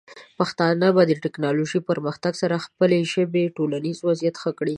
پښتانه به د ټیکنالوجۍ پرمختګ سره د خپلې ژبې ټولنیز وضعیت ښه کړي.